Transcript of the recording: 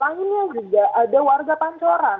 lainnya juga ada warga pancoran